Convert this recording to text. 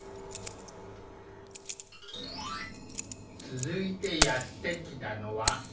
続いてやって来たのは四国